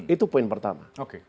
itu poin pertama